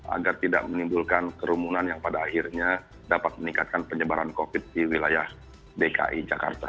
agar tidak menimbulkan kerumunan yang pada akhirnya dapat meningkatkan penyebaran covid di wilayah dki jakarta